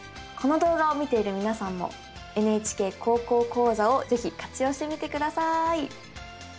この動画を見ている皆さんも「ＮＨＫ高校講座」を是非活用してみてください。